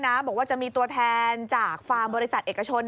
คุณบอกด้วยนะบอกว่าจะมีตัวแทนจากฟาร์มบริษัทเอกชน